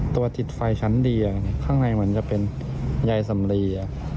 ตัวติดไฟชั้นดีข้างในเหมือนจะเป็นยายสำลี